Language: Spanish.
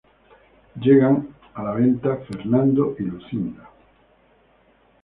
Llegan a la venta Fernando y Lucinda.